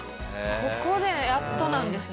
ここでやっとなんですね。